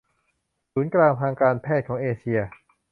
ศูนย์กลางทางการแพทย์ของเอเชีย